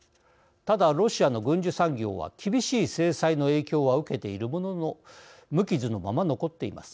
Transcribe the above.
ただ、ロシアの軍需産業は厳しい制裁の影響は受けているものの無傷のまま残っています。